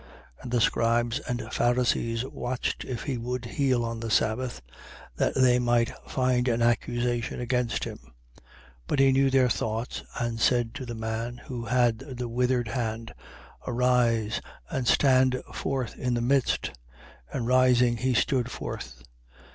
6:7. And the scribes and Pharisees watched if he would heal on the sabbath: that they might find an accusation against him. 6:8. But he knew their thoughts and said to the man who had the withered hand: Arise and stand forth in the midst. And rising he stood forth.